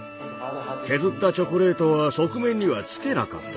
削ったチョコレートは側面にはつけなかった。